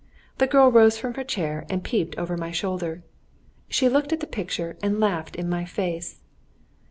The girl rose from her chair and peeped over my shoulder. She looked at the picture and laughed in my face.